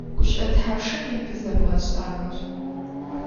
Guşı'e thapşşa nêpe zebğeş'ağer?